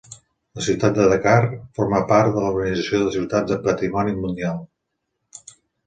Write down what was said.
La ciutat de Dakar forma part de l'Organització de Ciutats Patrimoni Mundial.